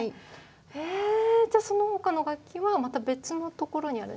えじゃあそのほかの楽器はまた別のところにあるんですか？